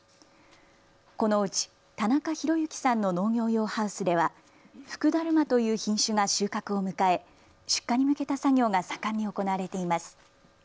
このうち田中裕之さんの農業用ハウスでは福だるまという品種が収穫を迎え出荷に向けた作業が盛んに行われています。